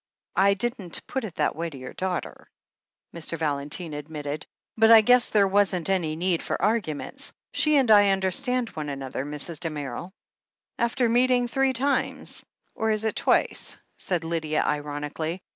I didn't put it that way to your daughter," Mr. Valentine admitted, "but I guess there wasn't any need for arguments. She and I tmderstand one aiiofher, Mrs. Damerel." "After meeting three times — or is it twice?" said Lydia ironically.